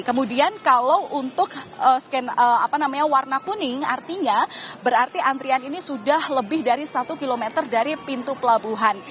kemudian kalau untuk warna kuning artinya berarti antrian ini sudah lebih dari satu km dari pintu pelabuhan